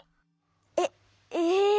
えっえ？